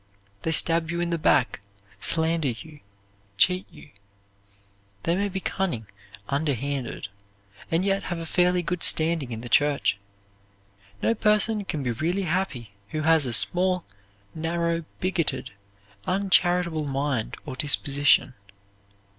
They stab you in the back, slander you, cheat you. They may be cunning, underhanded, and yet have a fairly good standing in the church. No person can be really happy who has a small, narrow, bigoted, uncharitable mind or disposition.